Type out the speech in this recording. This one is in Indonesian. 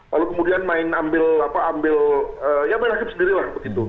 lalu kemudian main ambil ya main hakim sendiri lah